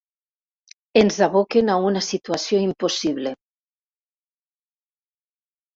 Ens aboquen a una situació impossible.